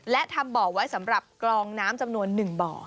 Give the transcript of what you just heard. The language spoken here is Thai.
และทำบ่อไว้สำหรับกรองน้ำจำนวน๑บ่อ